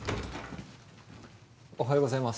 ・おはようございます。